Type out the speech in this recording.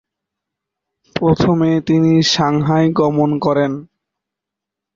প্রথমে তিনি সাংহাই গমন করেন।